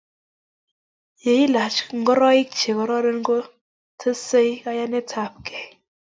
ye ilach ngoroik che kororon ko tesei kayanetab gei